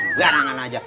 nggak anak anak aja